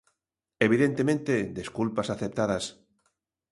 Evidentemente, desculpas aceptadas.